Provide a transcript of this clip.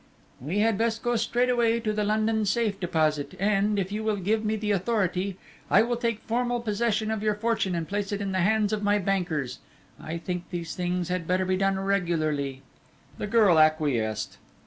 "We had best go straight away to the London Safe Deposit, and, if you will give me the authority, I will take formal possession of your fortune and place it in the hands of my bankers. I think these things had better be done regularly." The girl acquiesced.